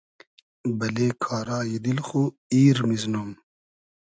بئلې کارای دیل خو ایر میزنوم